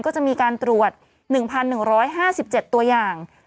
ก็จะมีการตรวจ๑๑๕๗ตัวอย่าง